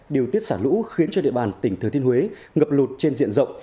điều tiết xả lũ khiến cho địa bàn tỉnh thừa thiên huế ngập lụt trên diện rộng